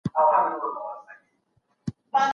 ولې ځیني کسان نشه کوي؟